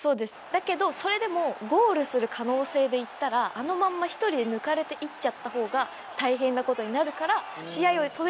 だけどそれでもゴールする可能性でいったらあのまんま１人で抜かれていっちゃった方が大変な事になるから。